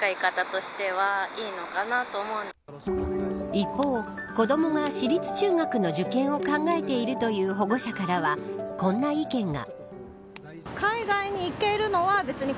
一方、子どもが私立中学の受験を考えているという保護者からはこんな意見が。